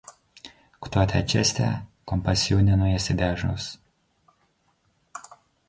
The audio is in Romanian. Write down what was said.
Cu toate acestea, compasiunea nu este de ajuns.